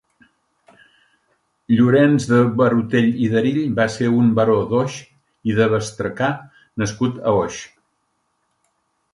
Llorens de Barutell i d'Erill va ser un baró d'Oix i de Bestracà nascut a Oix.